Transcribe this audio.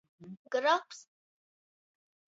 Grobs.